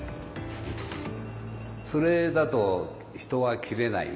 それだと人は斬れないね。